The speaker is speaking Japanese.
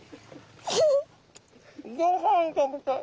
ごはん食べたい。